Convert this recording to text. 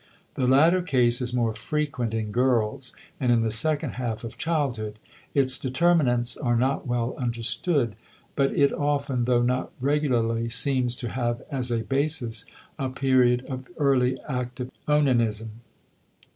The latter case is more frequent in girls and in the second half of childhood; its determinants are not well understood, but it often, though not regularly, seems to have as a basis a period of early active onanism.